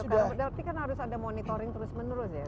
berarti kan harus ada monitoring terus menerus ya